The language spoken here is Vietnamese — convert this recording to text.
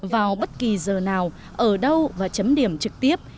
vào bất kỳ giờ nào ở đâu và chấm điểm trực tiếp